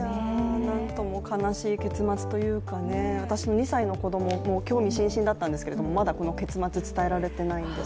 なんとも悲しい結末というかね、私の２歳の子供も興味津々だったんですけれどもまだこの結末、伝えられてないんです。